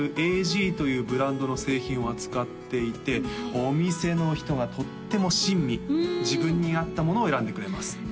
ｆｉｎａｌａｇというブランドの製品を扱っていてお店の人がとっても親身自分にあったものを選んでくれます